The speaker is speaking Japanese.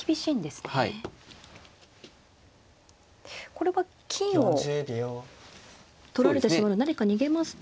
これは金を取られてしまうので何か逃げますと。